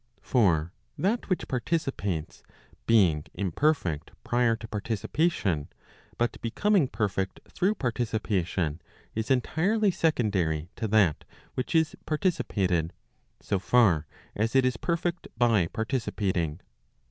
For that which participates, being imperfect prior to participation, but becoming perfect through participation, is entirely secondary to that which is participated, so far as it is perfect by participating.